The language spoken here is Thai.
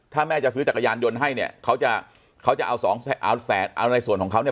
ถ้าแม่จะซื้อจักรยานยนต์ให้เนี่ยเขาจะเขาจะเอาสองเอาในส่วนของเขาเนี่ย